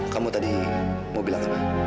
kamu tadi mau bilang sama